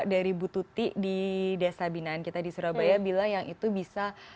dari bu tuti di desa binaan kita di surabaya bilang yang itu bisa